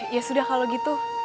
ya sudah kalau gitu